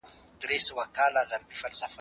اوس حيران دي، چي دا ستر بحران څنګه جبران کړي.